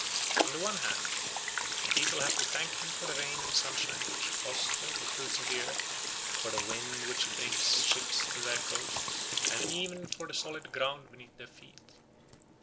On the one hand, the people have to thank him for the rain and sunshine which foster the fruits of the earth, for the wind which brings ships to their coasts, and even for the solid ground beneath their feet.